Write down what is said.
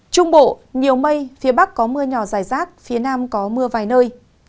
trung bộ nhiều mây phía bắc có mưa nhỏ dài rác phía nam có mưa vài nơi